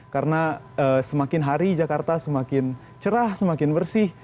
karena semakin hari jakarta semakin cerah semakin bersih